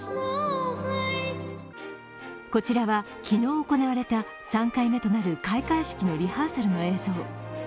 こちらは昨日行われた３回目となる開会式のリハーサルの映像。